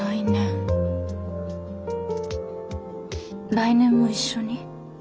来年も一緒に？